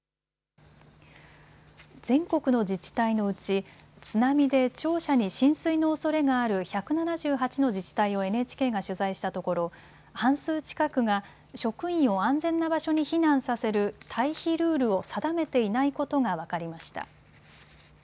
全国の自治体のうち津波で庁舎に浸水のおそれがある１７８の自治体をＮＨＫが取材したところ半数近くが職員を安全な場所に避難させる退避ルールを定めていないことが分かりました。